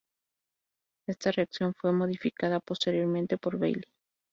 Esta reacción fue modificada posteriormente por Bailey.